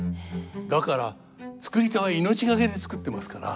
だから作り手は命懸けで作ってますから。